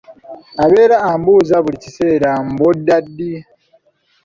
Abeera ambuuza buli kiseera mbu odda ddi?